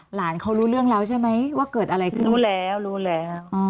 หลานเขารู้เรื่องแล้วใช่ไหมว่าเกิดอะไรขึ้นรู้แล้วรู้แล้ว